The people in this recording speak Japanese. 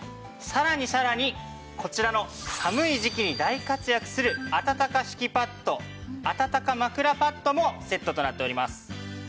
さらにさらにこちらの寒い時期に大活躍する暖か敷きパッド暖か枕パッドもセットとなっております。